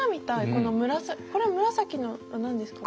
これ紫のは何ですか？